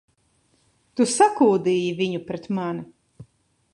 Tu sakūdīji viņu pret mani!